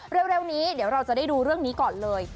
เร็วนี้เดี๋ยวเราจะได้ดูเรื่องนี้ก่อนเลย